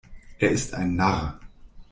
Er ist ein Narr.